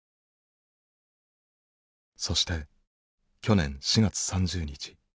そして去年４月３０日。